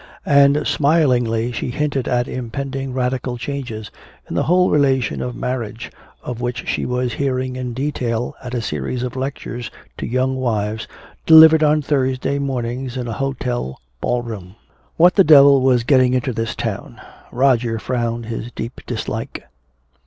And smilingly she hinted at impending radical changes in the whole relation of marriage, of which she was hearing in detail at a series of lectures to young wives, delivered on Thursday mornings in a hotel ball room. What the devil was getting into the town? Roger frowned his deep dislike.